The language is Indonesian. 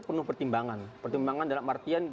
penuh pertimbangan pertimbangan dalam artian